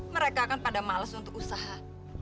mereka akan pada males untuk usaha